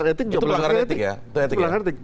itu pelanggaran etik ya